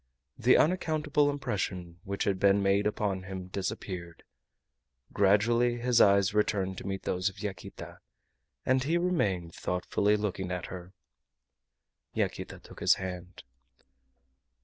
The unaccountable impression which had been made upon him disappeared. Gradually his eyes returned to meet those of Yaquita, and he remained thoughtfully looking at her. Yaquita took his hand.